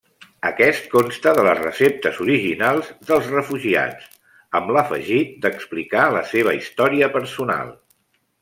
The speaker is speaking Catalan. Aquest consta de les receptes originals dels refugiats, amb l'afegit d'explicar la seva història personal.